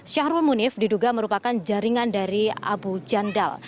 syahrul munif diduga merupakan jaringan dari abu jandal